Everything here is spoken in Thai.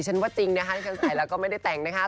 ว่าจริงนะคะที่ฉันใส่แล้วก็ไม่ได้แต่งนะคะ